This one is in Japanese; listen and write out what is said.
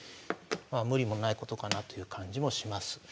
まあ無理もないことかなという感じもします。